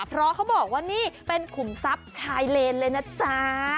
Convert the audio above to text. เพราะเขาบอกว่านี่เป็นขุมทรัพย์ชายเลนเลยนะจ๊ะ